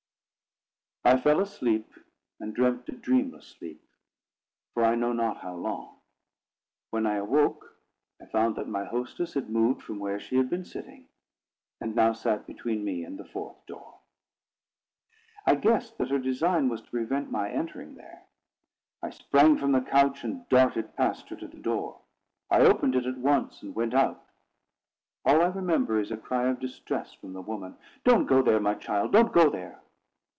I fell asleep, and slept a dreamless sleep, for I know not how long. When I awoke, I found that my hostess had moved from where she had been sitting, and now sat between me and the fourth door. I guessed that her design was to prevent my entering there. I sprang from the couch, and darted past her to the door. I opened it at once and went out. All I remember is a cry of distress from the woman: "Don't go there, my child! Don't go there!"